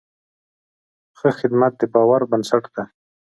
ښه خدمت د باور بنسټ دی.